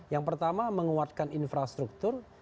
yang pertama menguatkan infrastruktur